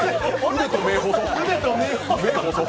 腕と目細っ！